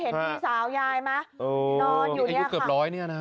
เห็นพี่สาวยายไหมนอนอยู่อายุเกือบร้อยเนี่ยนะ